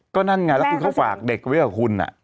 ก็นั่นไงแล้วคุณเขาฝากเด็กไว้กับคุณ